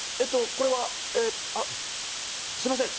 これはえっあっすいません